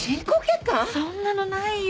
そんなのないよ。